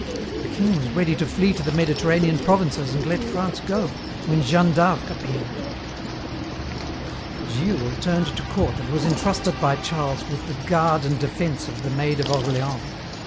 The king was ready to flee to the Mediterranean provinces and let France go, when Jeanne d'Arc appeared. "Gilles returned to court and was entrusted by Charles with the 'guard and defence' of the Maid of Orleans.